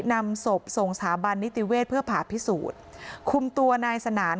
นำศพส่งสถาบันนิติเวศเพื่อผ่าพิสูจน์คุมตัวนายสนาน